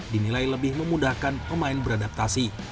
dinilai lebih memudahkan pemain beradaptasi